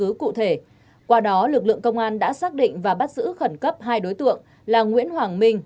cụ thể qua đó lực lượng công an đã xác định và bắt giữ khẩn cấp hai đối tượng là nguyễn hoàng minh